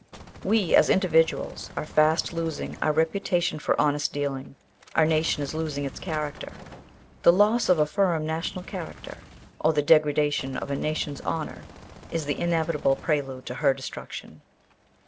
"We, as individuals, are fast losing our reputation for honest dealing. Our nation is losing its character. The loss of a firm national character, or the degradation of a nation's honour, is the inevitable prelude to her destruction.